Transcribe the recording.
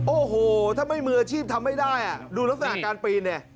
โอ้โหถ้าไม่มืออาชีพทำให้ได้ดูลูกสถานการณ์การปีน